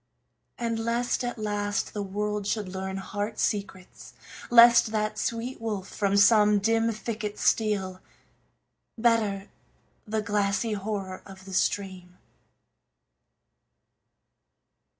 And lest, at last, the world should learn heart secrets; Lest that sweet wolf from some dim thicket steal; Better the glassy horror of the stream.